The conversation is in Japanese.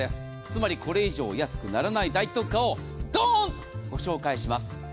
つまりこれ以上安くならない大特価をドンとご紹介します。